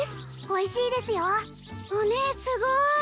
おいしいですよお姉すごい！